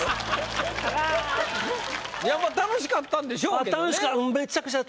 やっぱ楽しかったんでしょうけどね。